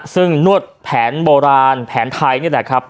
ซึ่งนวดแผนโบราณแผนไทยนี่แหละครับ